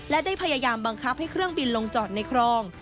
และได้พยายามบังคับให้เครื่องบินลงจอดในคลอง